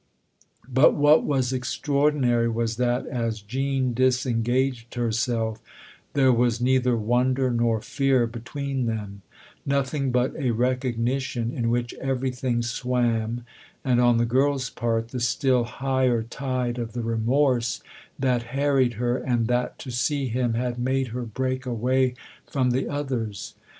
But what was extraordinary was that as Jean dis engaged herself there was neither wonder nor fear THE OTHER HOUSE 299 between them ; nothing but a recognition in which everything swam and, on the girl's part, the still higher tide of the remorse that harried her and that, to see him, had made her break away from the others.